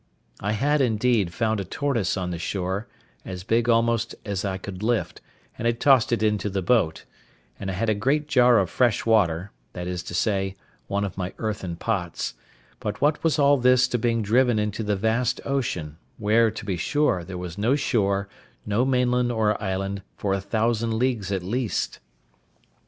I had, indeed, found a tortoise on the shore, as big almost as I could lift, and had tossed it into the boat; and I had a great jar of fresh water, that is to say, one of my earthen pots; but what was all this to being driven into the vast ocean, where, to be sure, there was no shore, no mainland or island, for a thousand leagues at least?